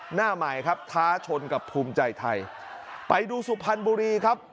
หน้าใหม่ครับท้าชนกับภูมิใจไทยไปดูสุพรรณบุรีครับ